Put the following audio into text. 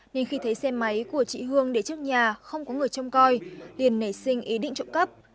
nên khi thấy xe máy của chị hương để trước nhà không có người trông coi liền nảy sinh ý định trộm cắp